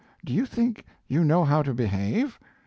Do you think you know how to behave?"